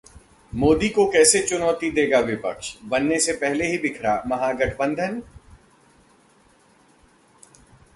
मोदी को कैसे चुनौती देगा विपक्ष, बनने से पहले ही बिखरा महागठबंधन?